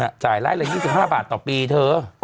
น่ะจ่ายได้เลย๒๕บาทต่อปีเถอะ